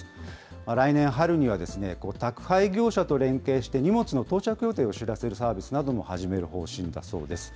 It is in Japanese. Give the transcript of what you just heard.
来年春には宅配業者と連携して、荷物の到着予定を知らせるサービスなども始める方針だそうです。